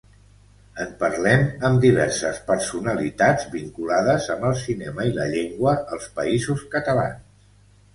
En parlem amb diverses personalitats vinculades amb el cinema i la llengua als Països Catalans.